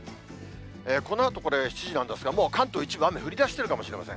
このあとこれ、７時なんですが、もう関東、一部、雨降りだしているかもしれません。